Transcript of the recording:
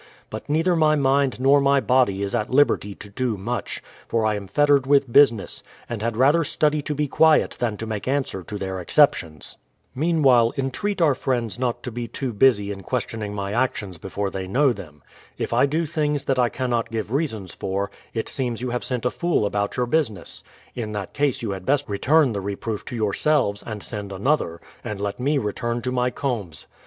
But neither my mind nor my body is at liberty to do much, for I am fettered with business, and had rather study to be quiet than to make answer to their exceptions. Meanwhile entreat our friends not to be too 46 BRADFORD'S HISTORY OF busy in questioning my actions before they know them. If I do things that I cannot give reasons for, it seems you have sent a fool about your business ; in that case you had best return the reproof to yourseh es, and send another, and let me return to my combes.